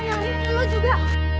ini yang ini ini lo juga